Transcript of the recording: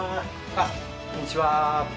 あっこんにちは。